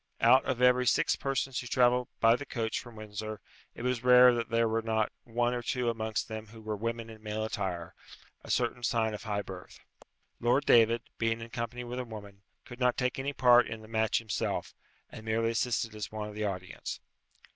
Out of every six persons who travelled by the coach from Windsor, it was rare that there were not one or two amongst them who were women in male attire; a certain sign of high birth. Lord David, being in company with a woman, could not take any part in the match himself, and merely assisted as one of the audience.